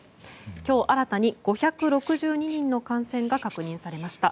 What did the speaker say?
今日、新たに５６２人の感染が確認されました。